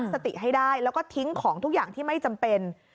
สติให้ได้แล้วก็ทิ้งของทุกอย่างที่ไม่จำเป็น